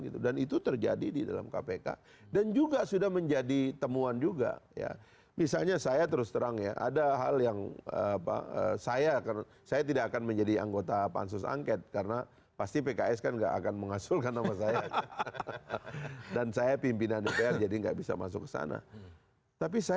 terima kasih pak faris